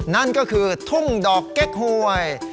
นั่นก็คือทุ่งดอกเก๊กหวย